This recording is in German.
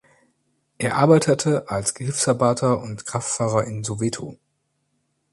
Er arbeitete als Hilfsarbeiter und Kraftfahrer in Soweto.